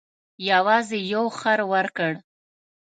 یوازې یو خر ورکړ.